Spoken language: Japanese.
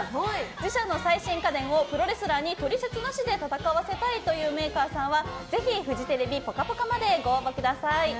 自社の最新家電をプロレスラーに取説なしで戦わせたいというメーカーさんはぜひフジテレビ「ぽかぽか」までご応募ください。